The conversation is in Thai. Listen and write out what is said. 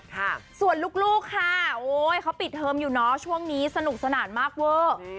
ค่ะส่วนลูกลูกค่ะโอ้ยเขาปิดเทอมอยู่เนอะช่วงนี้สนุกสนานมากเวอร์อืม